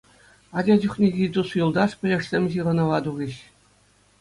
Ача чухнехи тус-юлташ, пӗлӗшсем ҫыхӑнӑва тухӗҫ.